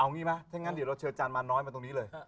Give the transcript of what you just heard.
เอางี้มาถ้างั้นเดี๋ยวเราเชิญอาจารย์มารน้อยมาตรงนี้เลย